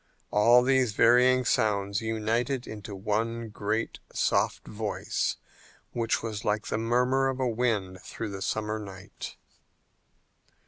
All these varying sounds united into one great soft voice which was like the murmur of a wind through the summer night.